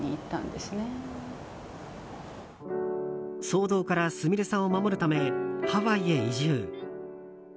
騒動からすみれさんを守るためハワイへ移住。